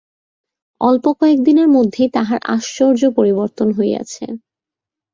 অল্প কয়েক দিনের মধ্যেই তাহার আশ্চর্য পরিবর্তন হইয়াছে।